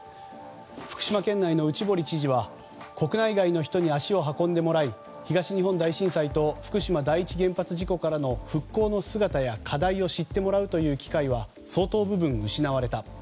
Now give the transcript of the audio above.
福島県の内堀知事は国内外の人に足を運んでもらい東日本大震災と福島第一原発事故からの復興の姿や課題を知ってもらうという機会は相当部分、失われた。